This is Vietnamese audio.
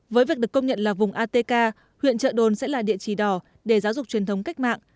với việc được công nhận là vùng atk huyện trợ đồn sẽ là địa chỉ đỏ để giáo dục truyền thống cách mạng